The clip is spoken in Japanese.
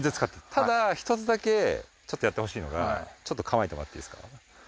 ただ１つだけちょっとやってほしいのがちょっと構えてもらっていいですか？